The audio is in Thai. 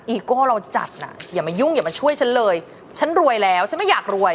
โก้เราจัดน่ะอย่ามายุ่งอย่ามาช่วยฉันเลยฉันรวยแล้วฉันไม่อยากรวย